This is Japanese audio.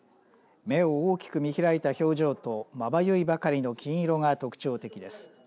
目を大きく見開いた表情とまばゆいばかりの金色が特徴的です。